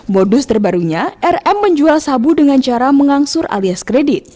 modus terbarunya rm menjual sabu dengan cara mengangsur alias kredit